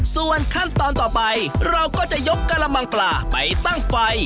ส่วนขั้นตอนต่อไปเราก็จะยกกระมังปลาไปตั้งไฟ